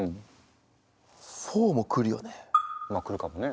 まあ来るかもね。